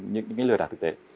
những cái lừa đảo thực tế